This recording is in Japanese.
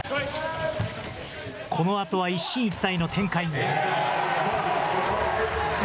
このあとは一進一退の展開に。